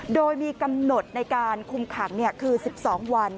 โดยมีกำหนดในการคุมขังคือ๑๒วัน